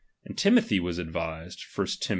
And Timothy was advised (I Tim.